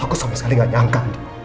aku sama sekali gak nyangka